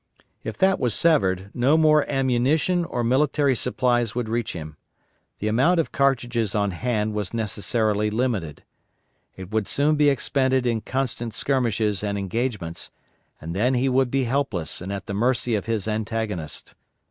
If that was severed no more ammunition or military supplies would reach him. The amount of cartridges on hand was necessarily limited. It would soon be expended in constant skirmishes and engagements, and then he would be helpless and at the mercy of his antagonist.